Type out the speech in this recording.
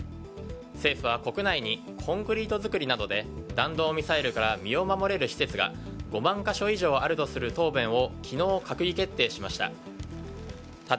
政府は国内にコンクリート造りなどで弾道ミサイルから身を守れる施設が５万か所以上あるとする答弁を昨日、閣議決定しました。